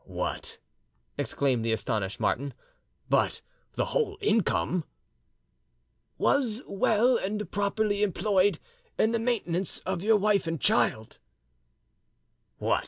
"What!" exclaimed the astonished Martin, "but the whole income?" "Was well and properly employed in the maintenance of your wife and child."